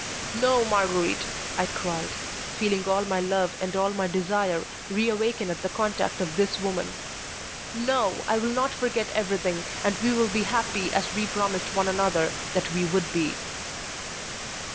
"No, Marguerite," I cried, feeling all my love and all my desire reawaken at the contact of this woman. "No, I will forget everything, and we will be happy as we promised one another that we would be."